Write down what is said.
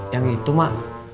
yang itu mak